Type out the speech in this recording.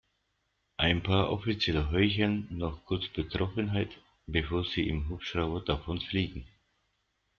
Ein paar Offizielle heucheln noch kurz Betroffenheit, bevor sie im Hubschrauber davonfliegen.